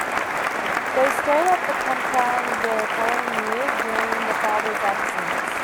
They stayed at the compound the following year during the father's absence.